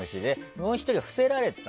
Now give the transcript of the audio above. もう１人は伏せられてた。